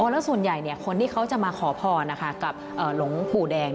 แล้วส่วนใหญ่คนที่เขาจะมาขอพรกับหลวงปู่แดง